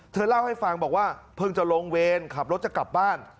เธอเล่าให้ฟังบอกว่าเพิ่งจะลงเวรขับรถจะกลับบ้าน